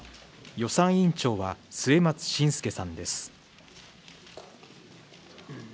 予算委員長は、末松信介さんです。